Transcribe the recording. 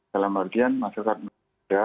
dalam artian masyarakat harus lihat